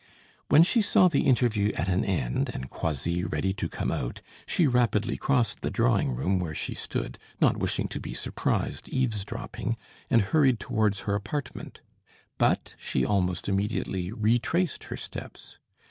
When she saw the interview at an end, and Croisilles ready to come out, she rapidly crossed the drawing room where she stood, not wishing to be surprised eavesdropping, and hurried towards her apartment; but she almost immediately retraced her steps.